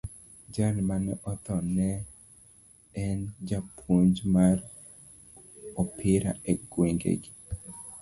Jal mane otho ne en japuonj mar opira e gweng` gi.